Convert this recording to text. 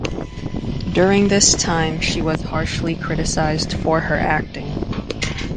During this time, she was harshly criticized for her acting.